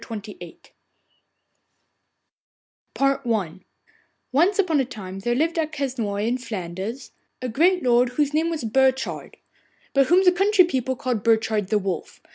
THE NETTLE SPINNER I Once upon a time there lived at Quesnoy, in Flanders, a great lord whose name was Burchard, but whom the country people called Burchard the Wolf.